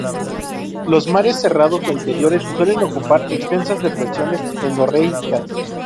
Los mares cerrados o interiores suelen ocupar extensas depresiones endorreicas.